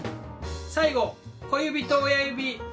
最後小指と親指。